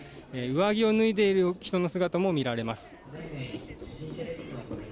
上着を脱いでいる人の姿も見られます。